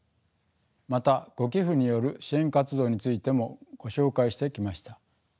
またご寄付による支援活動についてもご紹介してきました。